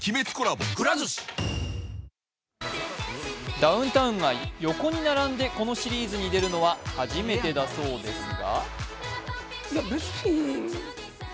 ダウンタウンが横に並んで、このシリーズに出るのは初めてだそうですが。